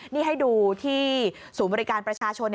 นี่ให้ดูที่ศูนย์บริการประชาชน